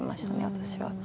私は。